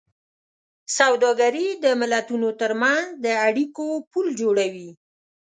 سوداګري د ملتونو ترمنځ د اړیکو پُل جوړوي.